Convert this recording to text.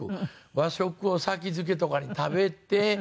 和食を先付けとかに食べてそして。